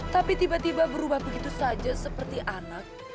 tapi tiba tiba berubah begitu saja seperti anak